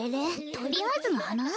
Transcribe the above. とりあえずのはな？